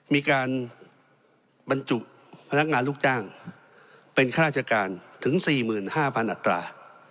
มีการบรรจุพนักงานลูกจ้างเป็นข้าราชการถึง๔๕๐๐อัตรา